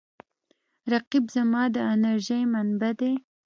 رقیب زما د انرژۍ منبع دی